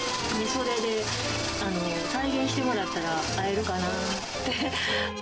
それで、再現してもらったら会えるかなって。